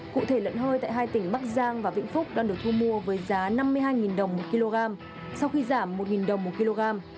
cụ thể lợn hơi tại hai tỉnh bắc giang và vĩnh phúc đang được thu mua với giá năm mươi hai đồng một kg sau khi giảm một đồng một kg